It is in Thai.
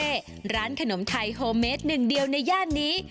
ร้านขนมไทยโฮเมสหนึ่งเดียวในย่านนี้